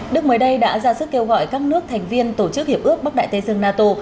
đức mới đây đã ra sức kêu gọi các nước thành viên tổ chức hiệp ước bắc đại tây dương nato